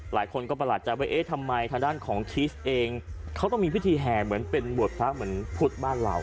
หลายคนก็ประหลาดใจว่าเอ๊ะทำไมทางด้านของคิสเองเขาต้องมีพิธีแห่เหมือนเป็นบวชพระเหมือนพุทธบ้านเรา